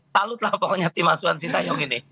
talut lah pokoknya tim asuhan si tayong ini